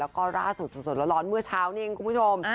ก็ราสุดแล้วร้อนเมื่อเช้านี้นี่คุณผู้ชม